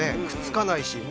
くっつかないし。